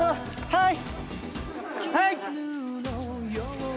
はい！